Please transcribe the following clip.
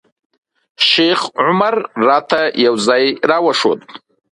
شیخ عمر راته یو ځای راوښود.